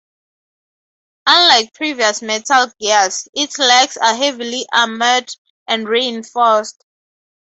Unlike previous Metal Gears, its legs are heavily armored and reinforced.